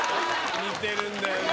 似てるんだよねえ。